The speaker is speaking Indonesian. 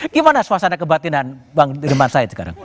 gimana suasana kebatinan bang dirman said sekarang